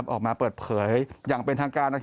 ออกมาเปิดเผยอย่างเป็นทางการ